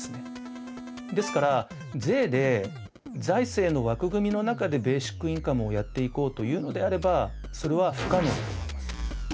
ですから税で財政の枠組みの中でベーシックインカムをやっていこうというのであればそれは不可能だと思います。